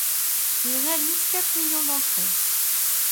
Il réalise quatre millions d'entrées.